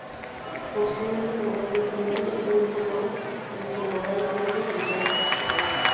Posee un tamaño medio y un color, en general, verde brillante.